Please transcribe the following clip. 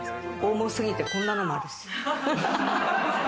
重すぎてこんなのもあるし。